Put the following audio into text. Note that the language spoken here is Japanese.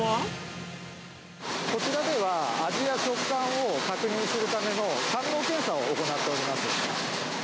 こちらでは、味や食感を確認するための官能検査を行っております。